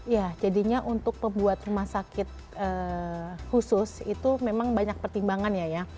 ya jadinya untuk pembuat rumah sakit khusus itu memang banyak pertimbangan ya